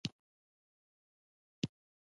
خو د خوراک لپاره مې څه و نه موندل.